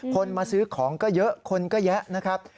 คนมาซื้อของก็เยอะคนก็แยะนะครับ